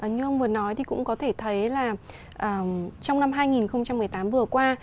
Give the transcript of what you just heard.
như ông vừa nói thì cũng có thể thấy là trong năm hai nghìn một mươi tám vừa qua